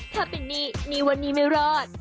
ถ้าเป็นหนี้นี่วันนี้ไม่รอด